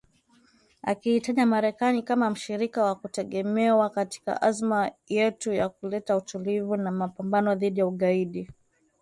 Akiitaja Marekani kama mshirika wa kutegemewa katika azma yetu ya kuleta utulivu na mapambano dhidi ya ugaidi.